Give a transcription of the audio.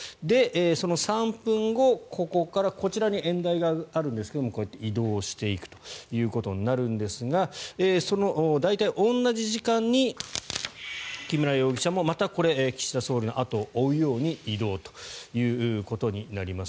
その３分後、ここからこちらに演台があるんですがこうやって移動していくということになるんですがその大体同じ時間に木村容疑者もまたこれ、岸田総理の後を追うように移動ということになります。